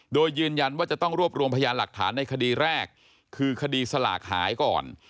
โดยยืนยันว่าจะต้องรวบรวมพยานหลักฐานในคดีแรกคือคดีสลากหายก่อน